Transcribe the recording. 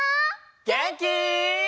げんき？